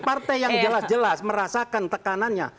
partai yang jelas jelas merasakan tekanannya